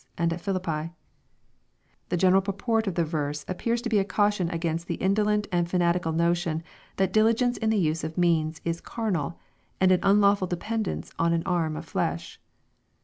and at PhilippL The general purport of the verse appears to be a caution against the indolent and fanatical notion that diligence in the use of means is " carnal/' and an unlawful dependence on an arm of flesh.